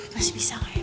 masih bisa gak ya